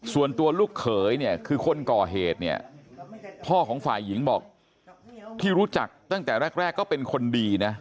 ส่วนตัวลูกเขยเนี่ยคือคนก่อเหตุเนี่ยพ่อของฝ่ายหญิงบอกที่รู้จักตั้งแต่แรกก็เป็นคนดีนะ